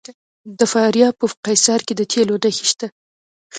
د فاریاب په قیصار کې د تیلو نښې شته.